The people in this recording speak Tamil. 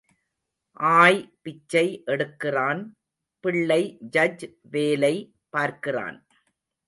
ஆய் பிச்சை எடுக்கிறான் பிள்ளை ஜட்ஜ் வேலை பார்க்கிறான்.